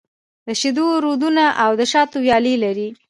د شېدو رودونه او د شاتو ويالې لري.